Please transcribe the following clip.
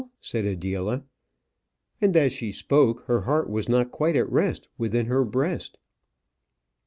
said Adela; and as she spoke, her heart was not quite at rest within her breast.